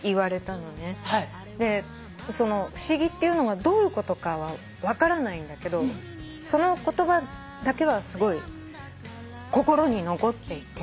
不思議っていうのがどういうことかは分からないんだけどその言葉だけはすごい心に残っていて。